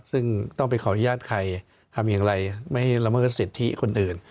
ซึ่งต้องไปขออนุญาตใครทำอย่างไรไม่ให้ละเมิดสิทธิคนอื่น